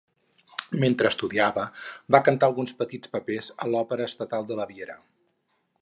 Mentre estudiava, va cantar alguns petits papers a l'Òpera Estatal de Baviera.